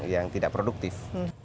yang tidak produktif